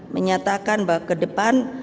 menyatakan bahwa ke depan